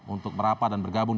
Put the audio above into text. untuk merapat dan bergabung